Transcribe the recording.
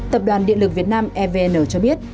tập đoàn điện lực việt nam evn cho biết